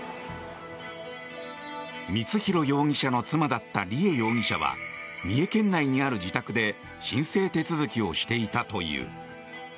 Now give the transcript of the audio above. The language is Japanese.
光弘容疑者の妻だった梨恵容疑者は三重県内にある自宅で申請手続きをしていたという。